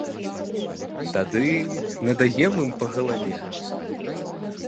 Тады надаем ім па галаве!